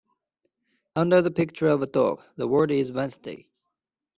Under the picture of a dog, the word is Wednesday.